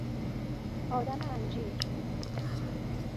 آدم انجیر